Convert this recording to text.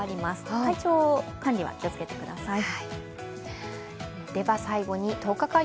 体調管理は気をつけてください。